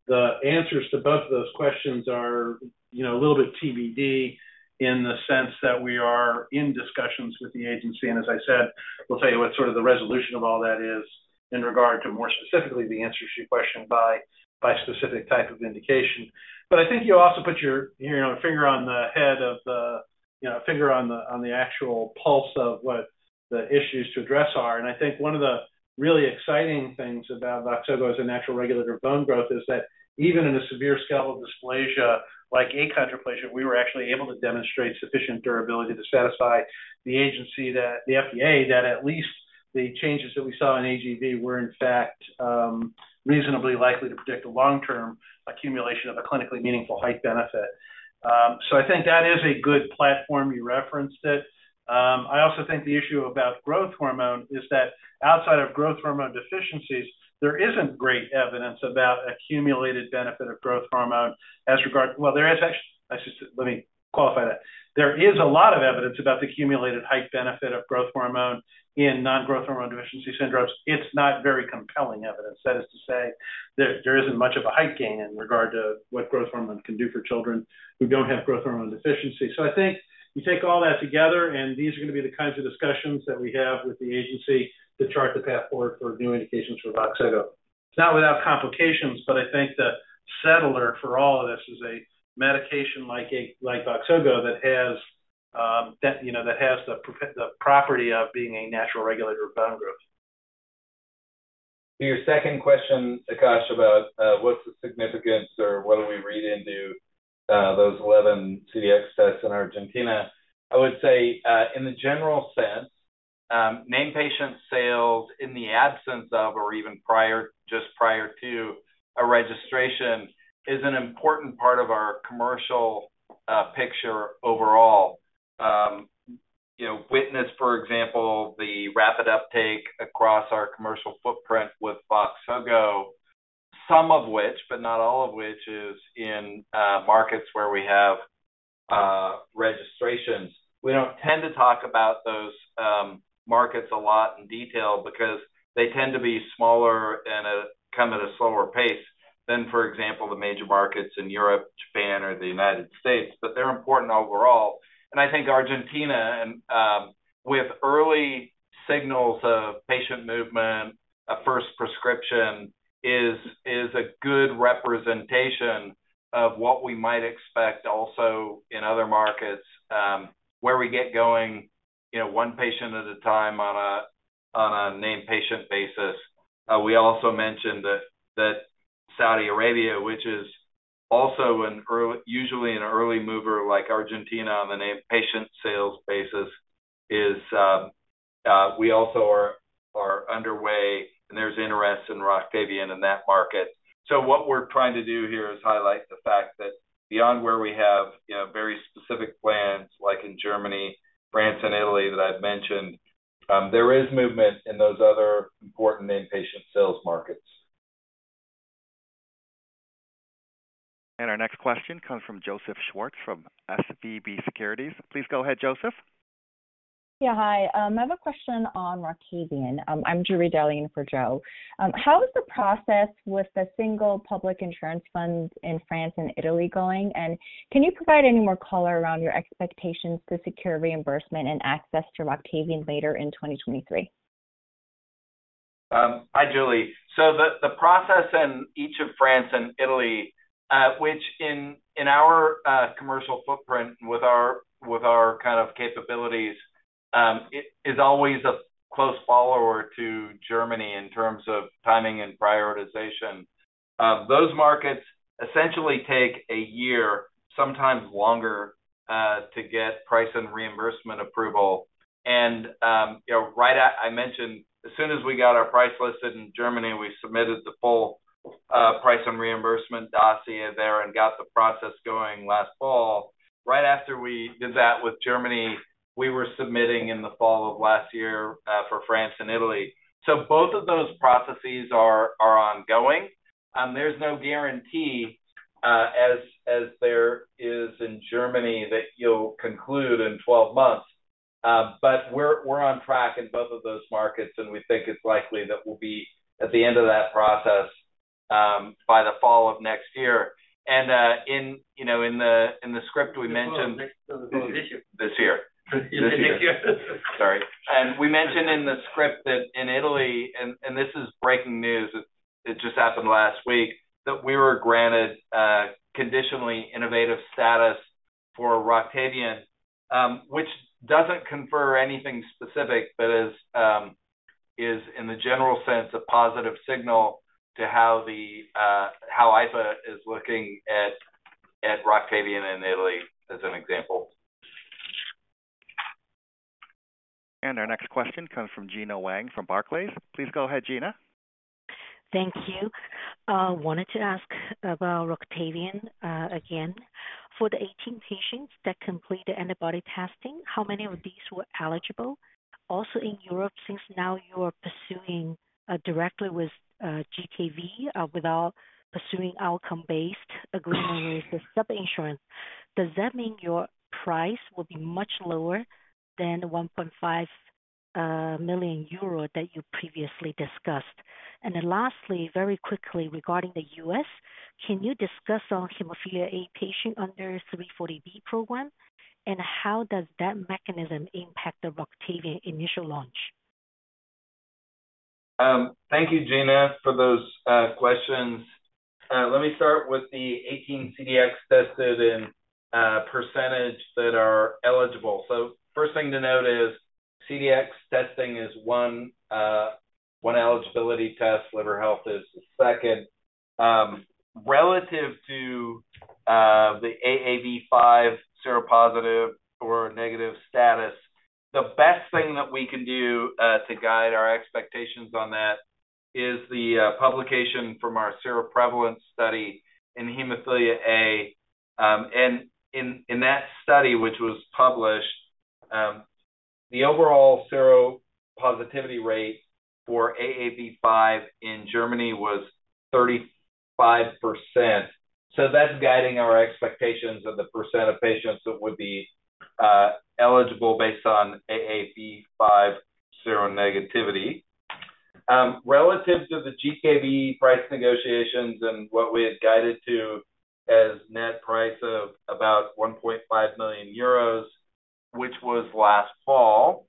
S5: the answers to both of those questions are, you know, a little bit TBD in the sense that we are in discussions with the agency. As I said, we'll tell you what sort of the resolution of all that is in regard to more specifically the answers to your question by specific type of indication. I think you also put your, you know, finger on the head of the, you know, finger on the, on the actual pulse of what the issues to address are. I think one of the really exciting things about VOXZOGO as a natural regulator of bone growth is that even in a severe skeletal dysplasia like achondroplasia, we were actually able to demonstrate sufficient durability to satisfy the FDA that at least the changes that we saw in AAV were in fact reasonably likely to predict a long-term accumulation of a clinically meaningful height benefit. I think that is a good platform. You referenced it. I also think the issue about growth hormone is that outside of growth hormone deficiencies, there isn't great evidence about accumulated benefit of growth hormone as regard. Well, there is actually. Let me qualify that. There is a lot of evidence about the accumulated height benefit of growth hormone in non-growth hormone deficiency syndromes. It's not very compelling evidence. That is to say that there isn't much of a height gain in regard to what growth hormone can do for children who don't have growth hormone deficiency. I think you take all that together, and these are gonna be the kinds of discussions that we have with the agency to chart the path forward for new indications for VOXZOGO. It's not without complications, but I think the settler for all of this is a medication like VOXZOGO that has, you know, that has the property of being a natural regulator of bone growth.
S4: To your second question, Akash, about what's the significance or what do we read into those 11 CDx tests in Argentina, I would say, in the general sense, named patient sales in the absence of or even prior, just prior to a registration is an important part of our commercial picture overall. you know, witness, for example, the rapid uptake across our commercial footprint with VOXZOGO. Some of which, but not all of which, is in markets where we have registrations. We don't tend to talk about those markets a lot in detail because they tend to be smaller and come at a slower pace than, for example, the major markets in Europe, Japan, or the United States. They're important overall. I think Argentina with early signals of patient movement, a first prescription is a good representation of what we might expect also in other markets, where we get going, you know, one patient at a time on a named patient basis. We also mentioned that Saudi Arabia, which is also usually an early mover like Argentina on the named patient sales basis, is underway, and there's interest in ROCTAVIAN in that market. What we're trying to do here is highlight the fact that beyond where we have, you know, very specific plans like in Germany, France and Italy that I've mentioned, there is movement in those other important named patient sales markets.
S1: Our next question comes from Joseph Schwartz from SVB Securities. Please go ahead, Joseph.
S13: Yeah, hi. I have a question on ROCTAVIAN. I'm Julie Delene for Joe. How is the process with the single public insurance funds in France and Italy going? Can you provide any more color around your expectations to secure reimbursement and access to ROCTAVIAN later in 2023?
S4: Hi, Julie. The process in each of France and Italy, which in our commercial footprint with our kind of capabilities, is always a close follower to Germany in terms of timing and prioritization. Those markets essentially take a year, sometimes longer, to get price and reimbursement approval. You know, I mentioned as soon as we got our price listed in Germany, we submitted the full price and reimbursement dossier there and got the process going last fall. Right after we did that with Germany, we were submitting in the fall of last year, for France and Italy. Both of those processes are ongoing. There's no guarantee, as there is in Germany that you'll conclude in 12 months. We're on track in both of those markets, and we think it's likely that we'll be at the end of that process by the fall of next year. Next fall, this year. Sorry. We mentioned in the script that in Italy, and this is breaking news, it just happened last week, that we were granted conditionally innovative status for ROCTAVIAN, which doesn't confer anything specific, but is in the general sense a positive signal to how AIFA is looking at ROCTAVIAN in Italy as an example.
S1: Our next question comes from Gena Wang from Barclays. Please go ahead, Gina.
S14: Thank you. Wanted to ask about ROCTAVIAN again. For the 18 patients that completed antibody testing, how many of these were eligible? Also in Europe, since now you are pursuing directly with GKV, without pursuing Outcomes-Based Agreement with the sub-insurance, does that mean your price will be much lower than the 1.5 million euro that you previously discussed? Lastly, very quickly regarding the U.S., can you discuss on hemophilia A patient under 340B program, and how does that mechanism impact the ROCTAVIAN initial launch?
S4: Thank you, Gena, for those questions. Let me start with the 18 CDx tested and percentage that are eligible. First thing to note is CDx testing is one eligibility test. Liver health is the second. Relative to the AAV5 seropositive or negative status, the best thing that we can do to guide our expectations on that is the publication from our seroprevalence study in hemophilia A. And in that study, which was published, the overall seropositivity rate for AAV5 in Germany was 35%. That's guiding our expectations of the percent of patients that would be eligible based on AAV5 seronegativity. Relative to the GKV price negotiations and what we had guided to as net price of about 1.5 million euros, which was last fall,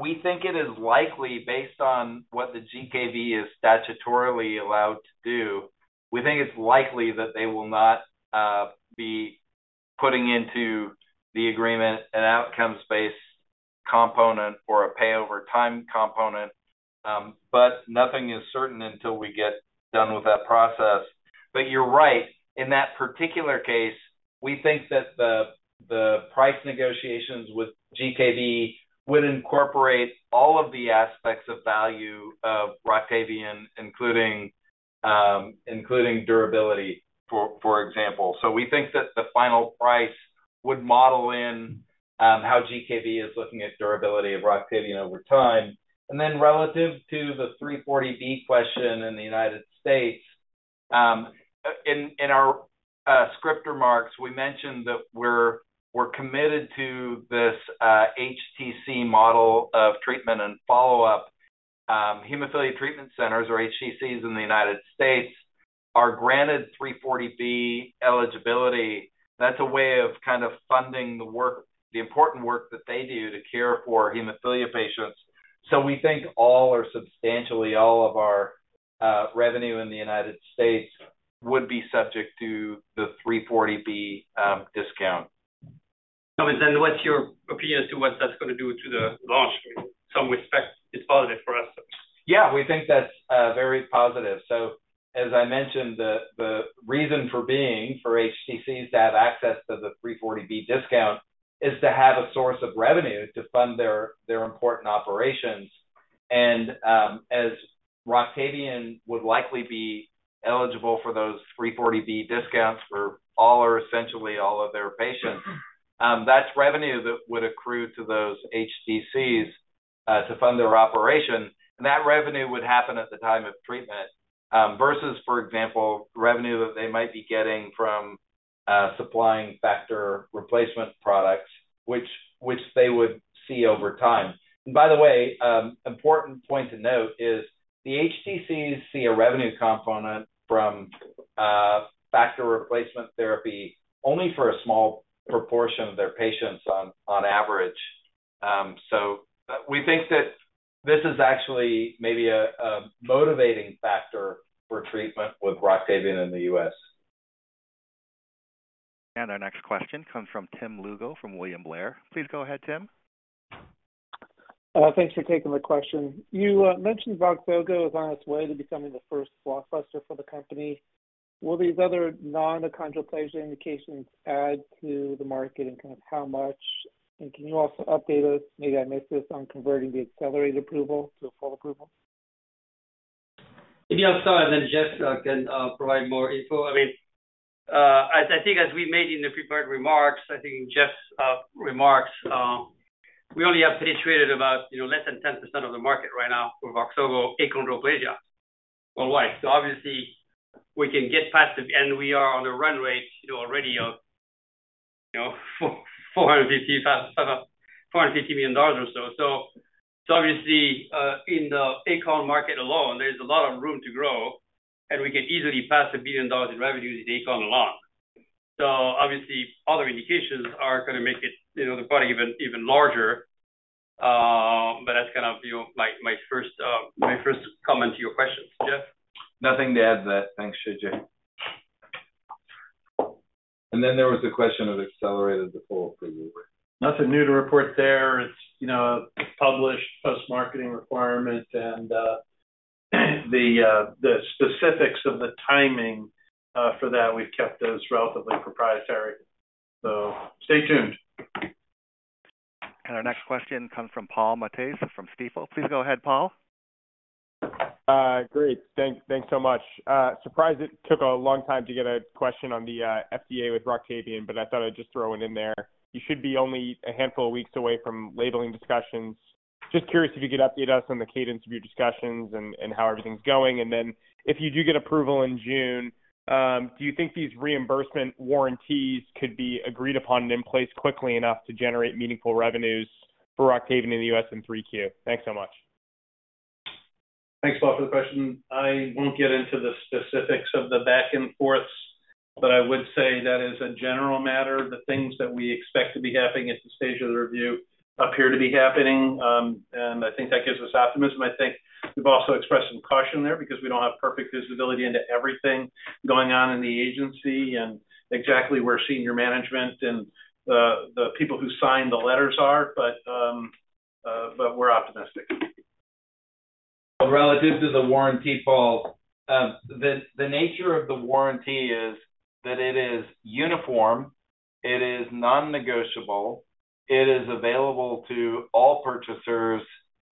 S4: we think it is likely based on what the GKV is statutorily allowed to do, we think it's likely that they will not be putting into the agreement an outcomes-based component or a pay over time component. Nothing is certain until we get done with that process. You're right. In that particular case, we think that the price negotiations with GKV would incorporate all of the aspects of value of ROCTAVIAN, including durability, for example. We think that the final price would model in how GKV is looking at durability of ROCTAVIAN over time. Relative to the 340B question in the United States, in our script remarks, we mentioned that we're committed to this HTC model of treatment and follow-up. Hemophilia Treatment Centers or HTCs in the United States are granted 340B eligibility. That's a way of kind of funding the work, the important work that they do to care for hemophilia patients. We think all or substantially all of our revenue in the United States would be subject to the 340B discount.
S3: What's your opinion as to what that's gonna do to the launch? In some respects, it's positive for us.
S4: Yeah. We think that's very positive. As I mentioned, the reason for being, for HTCs to have access to the 340B discount is to have a source of revenue to fund their important operations. As ROCTAVIAN would likely be eligible for those 340B discounts for all or essentially all of their patients, that's revenue that would accrue to those HTCs to fund their operation. That revenue would happen at the time of treatment versus, for example, revenue that they might be getting from supplying factor replacement products, which they would see over time. By the way, important point to note is the HTCs see a revenue component from factor replacement therapy only for a small proportion of their patients on average. We think that this is actually maybe a motivating factor for treatment with ROCTAVIAN in the U.S.
S1: Our next question comes from Tim Lugo, from William Blair. Please go ahead, Tim.
S15: Thanks for taking my question. You mentioned VOXZOGO is on its way to becoming the first blockbuster for the company. Will these other non-achondroplasia indications add to the market, and kind of how much? Can you also update us, maybe I missed this, on converting the accelerated approval to a full approval?
S3: If you start, and then Jeff can provide more info. I mean, as I think as we made in the prepared remarks, I think Jeff's remarks, we only have penetrated about, you know, less than 10% of the market right now for VOXZOGO achondroplasia worldwide. Obviously, we can get past it, and we are on a run rate, you know, already of, you know, $450 million or so. Obviously, in the achon market alone, there's a lot of room to grow, and we can easily pass $1 billion in revenue in achon alone. Obviously, other indications are gonna make it, you know, the product even larger. But that's kind of, you know, my first comment to your questions. Jeff?
S4: Nothing to add to that. Thanks, J.J. Then there was a question of accelerated approval for you, Hank.
S5: Nothing new to report there. It's, you know, a published post-marketing requirement and the specifics of the timing for that we've kept as relatively proprietary. Stay tuned.
S1: Our next question comes from Paul Matteis from Stifel. Please go ahead, Paul.
S16: Great. Thanks so much. Surprised it took a long time to get a question on the FDA with ROCTAVIAN. I thought I'd just throw one in there. You should be only a handful of weeks away from labeling discussions. Just curious if you could update us on the cadence of your discussions and how everything's going. If you do get approval in June, do you think these reimbursement warranties could be agreed upon and in place quickly enough to generate meaningful revenues for ROCTAVIAN in the U.S. in 3Q? Thanks so much.
S5: Thanks, Paul, for the question. I won't get into the specifics of the back and forths, I would say that as a general matter, the things that we expect to be happening at this stage of the review appear to be happening. I think that gives us optimism. I think we've also expressed some caution there because we don't have perfect visibility into everything going on in the agency and exactly where senior management and the people who sign the letters are. We're optimistic.
S4: Relative to the warranty, Paul, the nature of the warranty is that it is uniform, it is non-negotiable, it is available to all purchasers,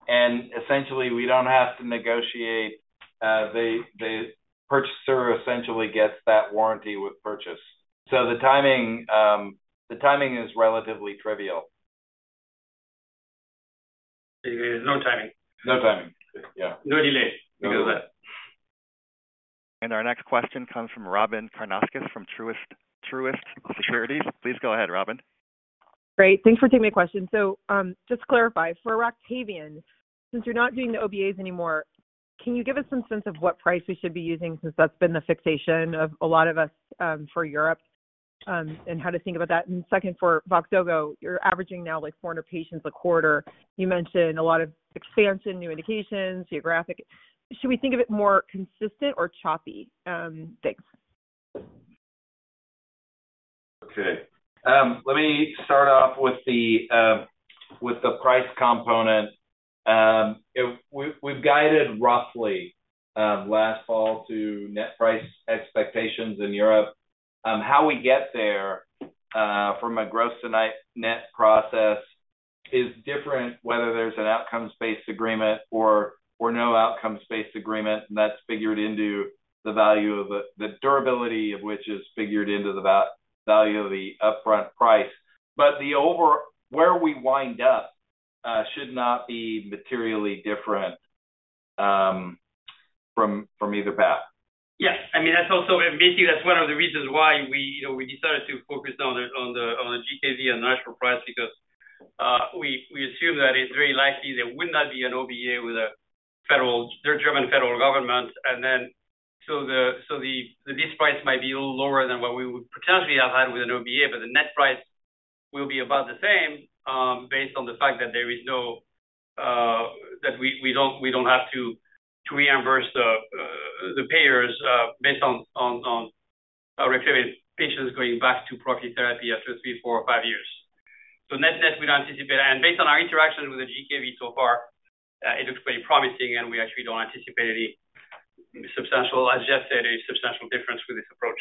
S4: essentially, we don't have to negotiate. The purchaser essentially gets that warranty with purchase. The timing, the timing is relatively trivial.
S3: There is no timing.
S4: No timing. Yeah.
S3: No delays. We know that.
S1: Our next question comes from Robyn Karnauskas from Truist Securities. Please go ahead, Robyn.
S17: Great. Thanks for taking my question. Just to clarify, for ROCTAVIAN, since you're not doing the OBAs anymore, can you give us some sense of what price we should be using since that's been the fixation of a lot of us, for Europe, and how to think about that? Second, for VOXZOGO, you're averaging now like 400 patients a quarter. You mentioned a lot of expansion, new indications, geographic. Should we think of it more consistent or choppy? Thanks.
S4: Okay. Let me start off with the price component. We've guided roughly last fall to net price expectations in Europe. How we get there from a gross to net process is different whether there's an Outcomes-Based Agreement or no Outcomes-Based Agreement. That's figured into the value of the... The durability of which is figured into the value of the upfront price. The over... Where we wind up should not be materially different from either path.
S3: Yes. I mean, that's also. Basically, that's one of the reasons why we, you know, we decided to focus on the GKV and national price because we assume that it's very likely there would not be an OBA with a federal German federal government. The base price might be a little lower than what we would potentially have had with an OBA, but the net price will be about the same, based on the fact that there is no, that we don't have to reimburse the payers based on recurring patients going back to pro-coag therapy after three, four or five years. Net-net, we don't anticipate. Based on our interaction with the GKV so far, it looks very promising and we actually don't anticipate any substantial, as Jeff said, a substantial difference with this approach.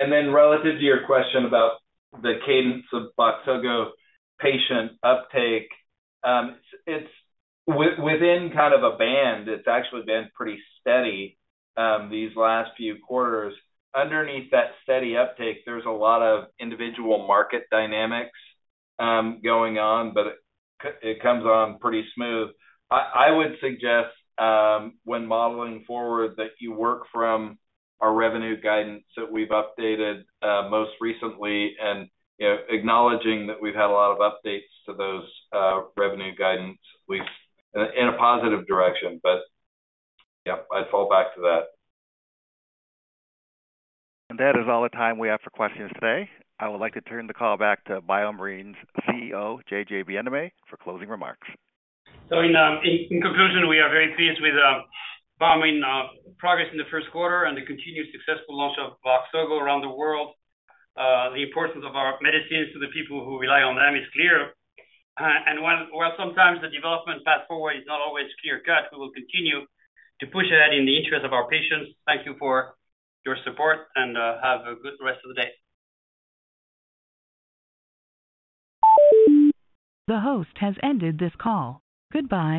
S4: Relative to your question about the cadence of VOXZOGO patient uptake, it's within kind of a band. It's actually been pretty steady, these last few quarters. Underneath that steady uptake, there's a lot of individual market dynamics, going on, but it comes on pretty smooth. I would suggest, when modeling forward that you work from our revenue guidance that we've updated, most recently and, you know, acknowledging that we've had a lot of updates to those, revenue guidance recently in a positive direction. Yeah, I'd fall back to that.
S1: That is all the time we have for questions today. I would like to turn the call back to BioMarin's CEO, J.J. Bienaimé, for closing remarks.
S3: In conclusion, we are very pleased with BioMarin progress in the first quarter and the continued successful launch of VOXZOGO around the world. The importance of our medicines to the people who rely on them is clear. While sometimes the development path forward is not always clear-cut, we will continue to push ahead in the interest of our patients. Thank you for your support and have a good rest of the day.
S1: The host has ended this call. Goodbye.